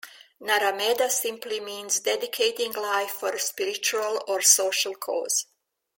Naramedha simply means dedicating life for a spiritual or social cause.